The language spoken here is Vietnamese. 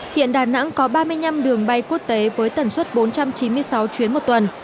hiện đà nẵng có ba mươi năm đường bay quốc tế với tần suất bốn trăm chín mươi sáu chuyến một tuần